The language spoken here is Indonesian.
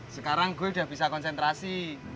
sekarang gue udah bisa konsentrasi